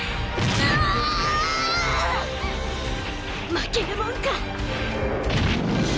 負けるもんか！